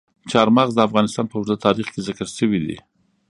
چار مغز د افغانستان په اوږده تاریخ کې ذکر شوي دي.